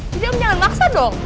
jadi om jangan maksa dong